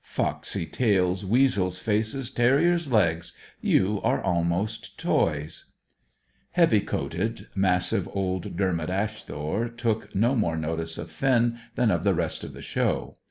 "Foxy tails, weasel's faces, terrier's legs you are almost toys!" Heavy coated, massive old Dermot Asthore took no more notice of Finn than of the rest of the show.